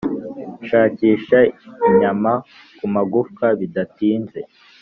shakisha inyama ku magufwa bidatinze,